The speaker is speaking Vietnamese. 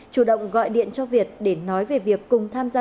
chủ động gọi điện cho việt để nói về việc cùng tham gia